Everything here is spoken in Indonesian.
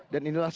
dan ini tembakan